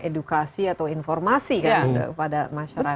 edukasi atau informasi pada masyarakat